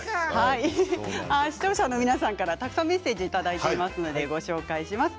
視聴者の皆さんからたくさんメッセージいただいていますのでご紹介します。